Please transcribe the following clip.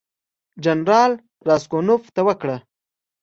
جنرال راسګونوف ته وکړه.